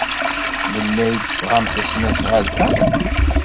Melmi ay d-tesɣamt tasnasɣalt-a?